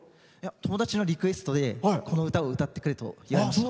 友達のリクエストで「この歌を歌ってくれ」と言われました。